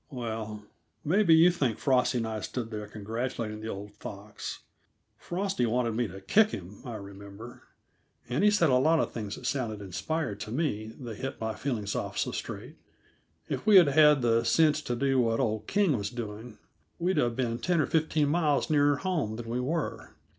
Well! maybe you think Frosty and I stood there congratulating the old fox. Frosty wanted me to kick him, I remember; and he said a lot of things that sounded inspired to me, they hit my feelings off so straight. If we had had the sense to do what old King was doing, we'd have been ten or fifteen miles nearer home than we were.